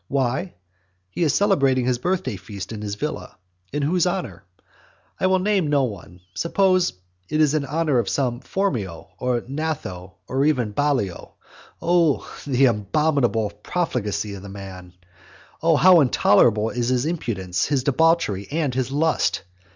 Why? He is celebrating the birthday feast at his villa. In whose honour? I will name no one. Suppose it is in honour of some Phormio, or Gnatho, or even Ballio. Oh the abominable profligacy of the man! Oh how intolerable is his impudence, his debauchery, and his lust!